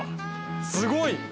すごい。